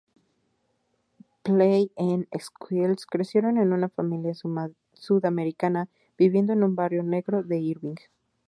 Play-N-Skillz crecieron en una familia sudamericana, viviendo en un barrio negro de Irving.